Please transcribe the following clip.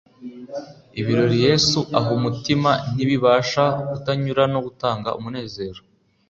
Ibirori Yesu aha umutima ntibibasha kutanyura no gutanga umunezero.